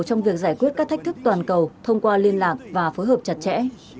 trong việc giải quyết các thách thức toàn cầu thông qua liên lạc và phối hợp chặt chẽ